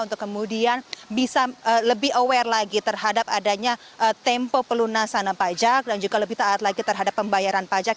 untuk kemudian bisa lebih aware lagi terhadap adanya tempo pelunasan pajak dan juga lebih taat lagi terhadap pembayaran pajak